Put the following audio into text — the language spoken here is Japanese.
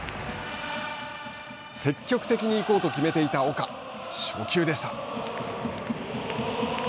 積極的に行こうと決めていた岡初球でした。